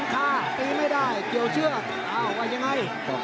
ก่อยรอก่อยโต้หุบขวา